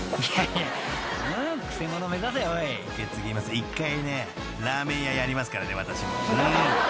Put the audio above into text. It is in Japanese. ［１回ねラーメン屋やりますからね私も］